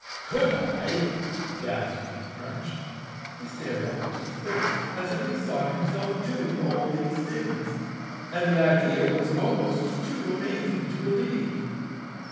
"Could I?" gasped Crunch. He stared off into space as if he saw himself doing all these things, and the idea was almost too amazing to believe.